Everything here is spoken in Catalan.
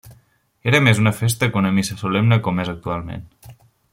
Era més una festa que una missa solemne com és actualment.